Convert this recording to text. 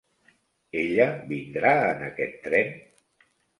Ella vindrà en aquest tren?